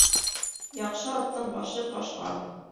Яҡшы аттың башы ҡашҡа.